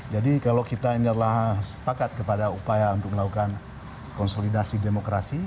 jadi kalau kita ini adalah sepakat kepada upaya untuk melakukan konsolidasi demokrasi